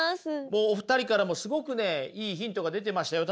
もうお二人からもすごくねいいヒントが出てましたよ。